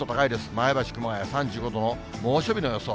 前橋、熊谷３５度の猛暑日の予想。